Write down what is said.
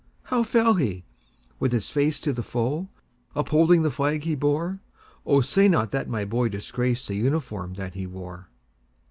"How fell he,—with his face to the foe, Upholding the flag he bore? Oh, say not that my boy disgracedThe uniform that he wore!"